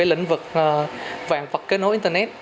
lĩnh vực vạn vật kế nối internet